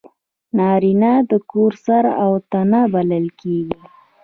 نارینه د کور سر او تنه بلل کېږي.